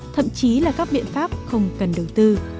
thậm chí là các biện pháp không cần đầu tư